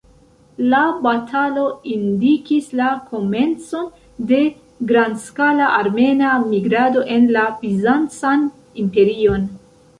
La batalo indikis la komencon de grandskala armena migrado en la Bizancan Imperion.